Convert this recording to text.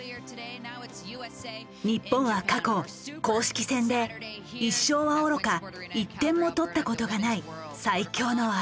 日本は過去公式戦で１勝はおろか１点も取ったことがない最強の相手だ。